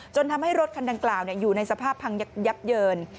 ทำให้รถคันดังกล่าวอยู่ในสภาพพังยับเยิน